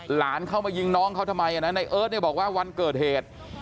หลานเข้ามายิงน้องเขาทำไมนะในเอิร์ทเนี่ยบอกว่าวันเกิดเหตุ